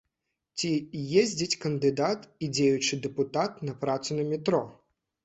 Ці ездзіць кандыдат і дзеючы дэпутат на працу на метро?